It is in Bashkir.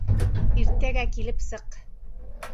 Иртәгә килеп сыҡ.